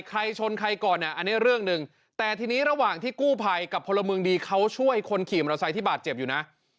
ใครชนใครก่อนเนี่ยอันนี้เรื่องหนึ่งแต่ทีนี้ระหว่างที่กู้ภัยกับพลเมืองดีเขาช่วยคนขี่มอเตอร์ไซค์ที่บาดเจ็บอยู่นะ